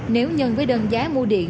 nếu nhân với đơn giá mua điện